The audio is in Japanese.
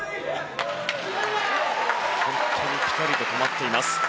本当にピタリと止まっています。